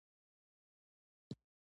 تمدن د باور، پوهې او اخلاقو ګډه پایله ده.